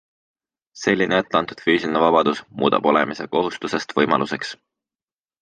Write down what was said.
Selline etteantud füüsiline vabadus muudab olemise kohustusest võimaluseks.